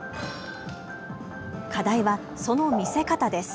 課題はその見せ方です。